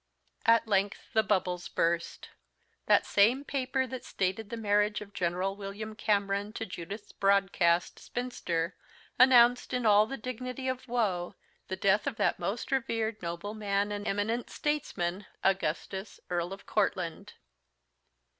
At length the bubbles burst. The same paper that stated the marriage of General William Cameron to Judith Broadcast, Spinster, announced, in all the dignity of woe, the death of that most revered noble man and eminent statesman, Augustus, Earl of Courtland.